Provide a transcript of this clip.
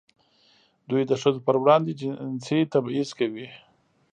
دوی د ښځو پر وړاندې جنسي تبعیض کوي.